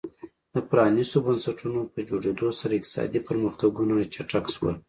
د پرانیستو بنسټونو په جوړېدو سره اقتصادي پرمختګونه چټک شول.